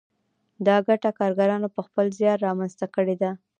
دا ګټه کارګرانو په خپل زیار رامنځته کړې ده